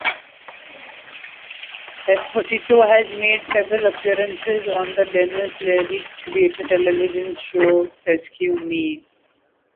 Esposito has made several appearances on the Denis Leary created television show "Rescue Me".